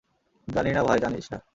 জানি না ভাই -জানিস না।